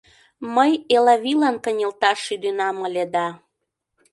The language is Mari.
Мый Элавийлан кынелташ шӱденам ыле да...